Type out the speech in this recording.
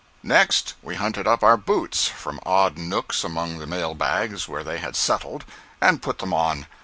Next we hunted up our boots from odd nooks among the mail bags where they had settled, and put them on.